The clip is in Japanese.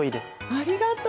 ありがとう。